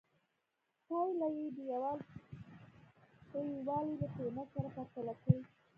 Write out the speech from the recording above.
پایله یې د دیوال پرېړوالي له قېمت سره پرتله کړئ.